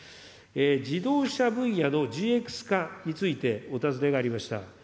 自動車分野のＧＸ化についてお尋ねがありました。